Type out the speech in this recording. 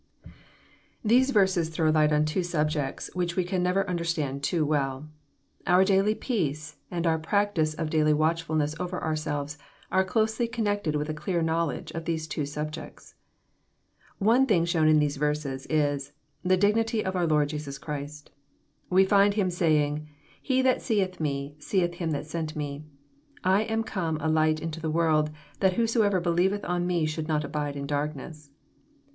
These verses throw light on two sabjects which we can never understand too well. Oar daily peace and onr prac tice of daily watchfulness over ourselves are closely con nected with a clear knowledge of these two subjects. One thing shown in these verses is, tJie dignity of our Lord Jesus Christ. We find Him saying, " He that seeth Me, seeth Him that sent Me. I am come a Light into the world, that whosoever believeth on Me should not abide in darkness."